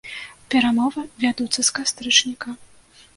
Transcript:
Перамовы вядуцца з кастрычніка.